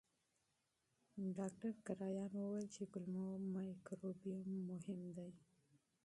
ډاکټر کرایان وویل چې کولمو مایکروبیوم مهم دی.